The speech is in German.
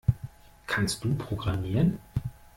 Kannst du programmieren?